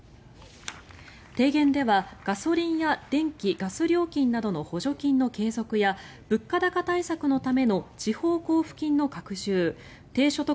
提言ではガソリンや電気・ガス料金などの補助金の継続や物価高対策のための地方交付金の拡充低所得